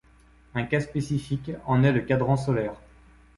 Un cas spécifique en est le cadran solaire.